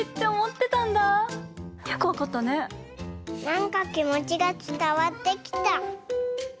なんかきもちがつたわってきた。